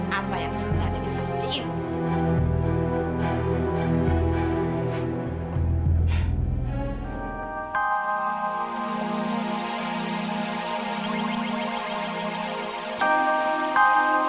papa yang senang dengan suku dia